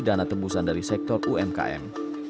dan keuntungan kemampuan umkm